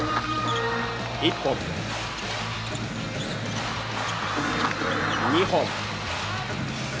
１本、２本。